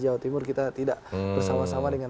jawa timur kita tidak bersama sama dengan